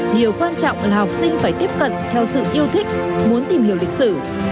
điều quan trọng là học sinh phải tiếp cận theo sự yêu thích muốn tìm hiểu lịch sử